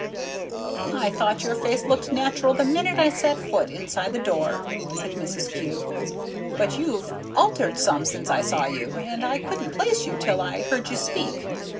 "I thought your face looked natural the minute I set foot inside the door," said Mrs. Kew; "but you've altered some since I saw you, and I couldn't place you till I heard you speak.